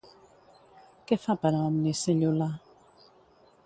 Què fa per a Omnis Cellula?